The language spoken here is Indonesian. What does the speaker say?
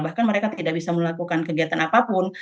bahkan mereka tidak bisa melakukan kegiatan apapun